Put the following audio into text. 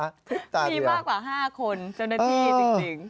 มีมากกว่า๕คนเจ้าหน้าที่จริง